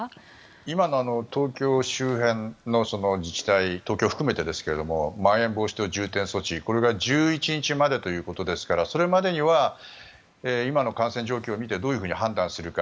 今の東京周辺の自治体東京含めてですがまん延防止等重点措置、これが１１日までということですからそれまでには今の感染状況を見てどういうふうに判断するか。